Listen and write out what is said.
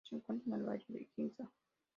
Se encuentra en el barrio de Ginza.